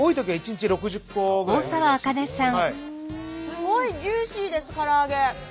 すごいジューシーですから揚げ。